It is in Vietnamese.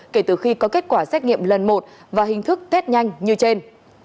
kể từ khi có kết quả xét nghiệm lần một và hình thức test nhanh như trên